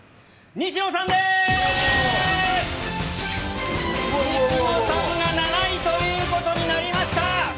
西野さんが７位ということになりました。